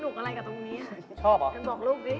สนุกกับอะไรกับตรงนี้